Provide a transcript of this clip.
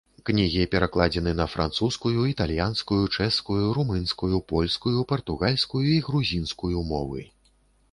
Кнігі перакладзены на французскую, італьянскую, чэшскую, румынскую, польскую, партугальскую і грузінскую мовы.